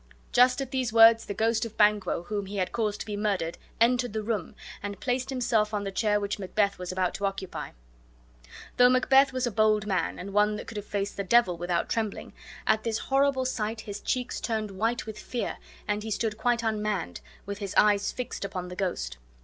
just at these words the ghost of Banquo, whom he had caused to be murdered, entered the room and placed himself on the chair which Macbeth was about to occupy. Though Macbeth was a bold man, and one that could have faced the devil without trembling, at this horrible sight his cheeks turned white with fear and he stood quite unmanned, with his eyes fixed upon the ghost.